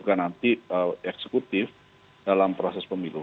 bukan nanti eksekutif dalam proses pemilu